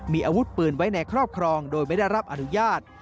มีอาวุธปืนไว้ในครอบครองโดยไม่ได้รับอนุญาต